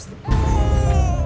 penting salah kamu pak